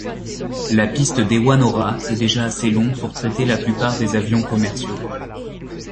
La piste d'Hewanorra est déjà assez longue pour traiter la plupart des avions commerciaux.